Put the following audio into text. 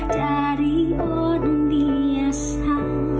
dari orang biasa